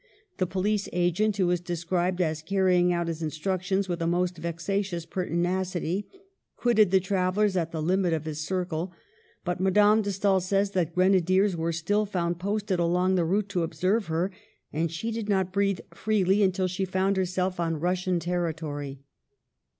The police agent, who is described as carrying out his instructions with a most vex atious pertinacity, quitted the travellers at the limit of his " circle "; but Madame de Stael says that grenadiers were still found posted along the route to observe her, and she did not breathe freely until she found herself on Russian terri SECOND MARRIAGE. 175 tory.